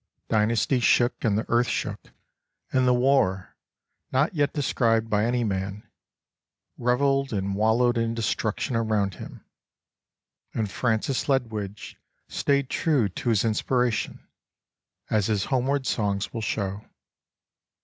Dynasties shook and the earth shook; and the war, not yet described by any man, revelled and wallowed in destruction around him; and Francis Ledwidge stayed true to his inspira tion, as his homeward songs will show.